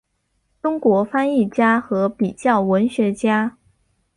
中国翻译家和比较文学家。